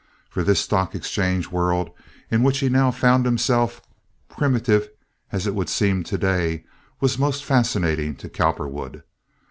For this stock exchange world in which he now found himself, primitive as it would seem to day, was most fascinating to Cowperwood.